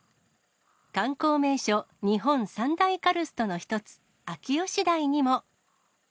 観光名所、日本三大カルストの一つ、秋吉台にも。